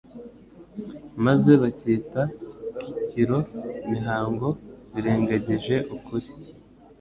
maze bakita kL mihango birengagije ukuri.